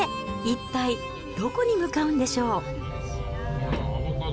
一体どこに向かうんでしょう。